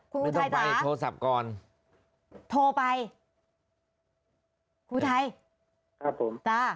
คุณอุทัยสามโทรศัพท์ก่อนโทรไปคุณอุทัยครับผม